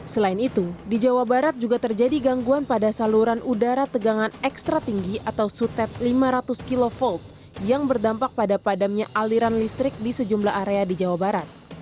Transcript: selain itu di jawa barat juga terjadi gangguan pada saluran udara tegangan ekstra tinggi atau sutet lima ratus kv yang berdampak pada padamnya aliran listrik di sejumlah area di jawa barat